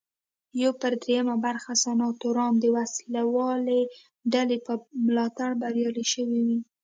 یو پر درېیمه برخه سناتوران د وسله والې ډلې په ملاتړ بریالي شوي وي.